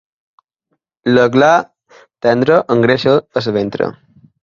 L'aglà tendre engreixa el ventre.